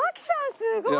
すごーい！